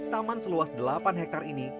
taman seluas delapan hektare ini